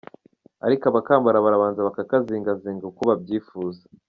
Ariko abakambara barabanza bakakazingazinga uko babyifuzwa.